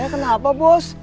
saya kenapa bos